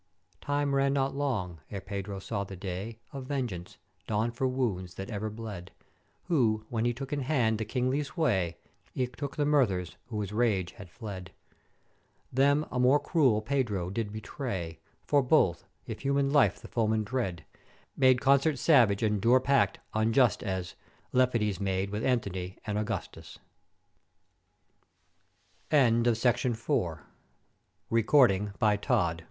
' "Time ran not long, ere Pedro saw the day of vengeance dawn for wounds that ever bled; who, when he took in hand the kingly sway, eke took the murth'erers who his rage had fled: Them a most cruel Pedro did betray; for both, if human life the foemen dread, made concert savage and dure pact, unjust as Lepidus made with Anthony' and Augustus." Viriatus. Valdevez, or Campo da Matança, A.D. 1128 (Canto iv.